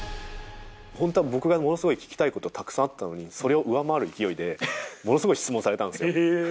本当は僕がものすごい聞きたいこと、たくさんあったのに、それを上回る勢いで、ものすごい質問されたんですよ。